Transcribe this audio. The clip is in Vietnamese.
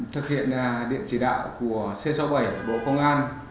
thực hiện điện chỉ đạo của c sáu mươi bảy bộ công an